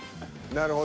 なるほど。